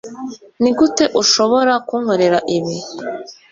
Nigute ushobora kunkorera ibi